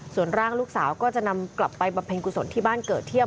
ส่วนร่างลูกสาวก็จะนำกลับไปบำเพ็ญกุศลที่บ้านเกิดเที่ยว